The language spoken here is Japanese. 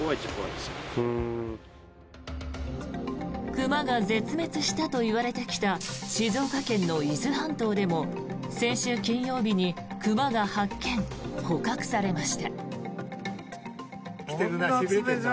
熊が絶滅したといわれてきた静岡県の伊豆半島でも先週金曜日に熊が発見・捕獲されました。